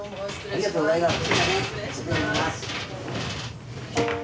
ありがとうございます。